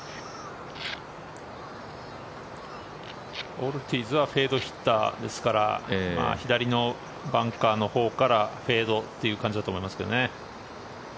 オルティーズはフェードヒッターですから左のバンカーのほうからフェードという感じだと思いますけどね。